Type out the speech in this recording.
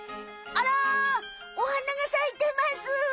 あらお花が咲いてます！